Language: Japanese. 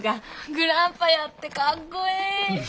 グランパやってかっこいい。